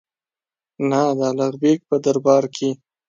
نه د الغ بېګ په دربار کې.